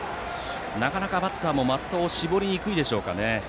なかなかバッターも的を絞りにくいでしょうかね。